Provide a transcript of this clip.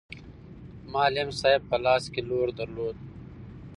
معلم صاحب په لاس کې لور درلود.